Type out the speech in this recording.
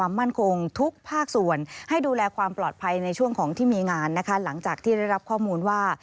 มั่นคงทุกภาคส่วนให้ดูแลความปลอดภัยในช่วงของที่มีงานนะคะหลังจากที่ได้รับข้อมูลว่า